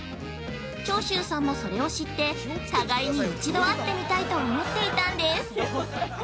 長州さんもそれを知って互いに一度会ってみたいと思っていたんです。